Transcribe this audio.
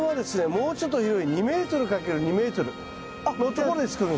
もうちょっと広い２ｍ×２ｍのところで作るんですよ。